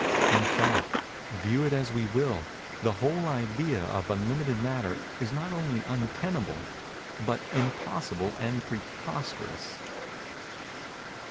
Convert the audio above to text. In fact, view it as we will, the whole idea of unlimited Matter is not only untenable, but impossible and preposterous.